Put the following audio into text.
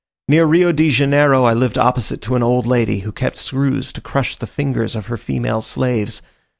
Near Rio de Janeiro I lived opposite to an old lady, who kept screws to crush the fingers of her female slaves.